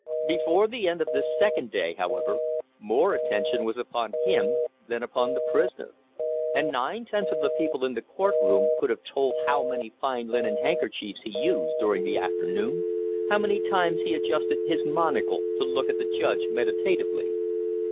Before the end of this second day, however, more attention was upon him than upon the prisoner, and nine tenths of the people in the court room could have told how many fine linen handkerchiefs he used during the afternoon, how many times he adjusted his monocle to look at the judge meditatively.